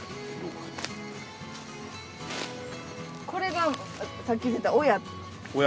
これがさっき言ってた親。